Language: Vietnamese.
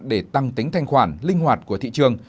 để tăng tính thanh khoản linh hoạt của thị trường